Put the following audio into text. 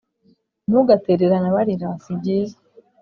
Ntugatererane abarira sibyiza